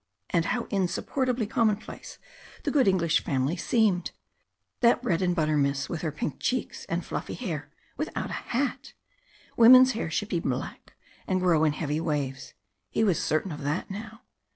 And how insupportably commonplace the good English family seemed! That bread and butter miss with her pink cheeks and fluffy hair, without a hat! Women's hair should be black and grow in heavy waves. He was certain of that now.